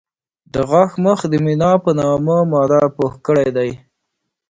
د غاښ مخ د مینا په نامه ماده پوښ کړی دی.